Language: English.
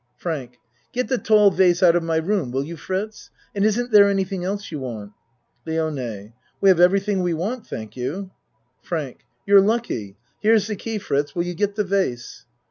FRANK Get the tall vase out of my room will you, Fritz ? And isn't there anything else you want ? LIONE We have everything we want thank you. FRANK You're lucky. Here's the key, Fritz, will you get the vase?